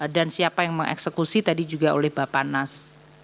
dan siapa yang mengeksekusi tadi juga oleh bapak nas